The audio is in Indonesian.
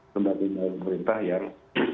tempat tempat pemerintah yang